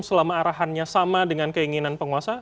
selama arahannya sama dengan keinginan penguasa